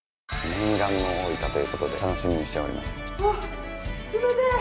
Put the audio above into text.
念願の大分ということで楽しみにしております。